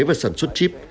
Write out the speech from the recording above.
và sản xuất chip